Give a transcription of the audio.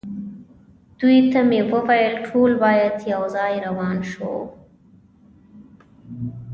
دوی ته مې وویل: ټول باید یو ځای روان نه شو.